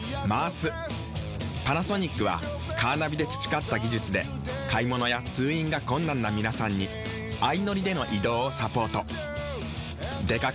パナソニックはカーナビで培った技術で買物や通院が困難な皆さんに相乗りでの移動をサポート。